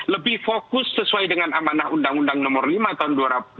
lebih fokus sesuai dengan amanah undang undang nomor lima tahun dua ribu